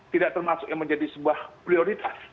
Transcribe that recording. tidak termasuk yang menjadi sebuah prioritas